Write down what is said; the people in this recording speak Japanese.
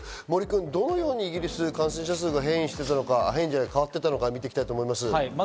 どのようにイギリスの感染者数が変わっていたのか見ていきたいと思います。